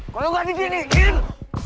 kalo gak di sini ian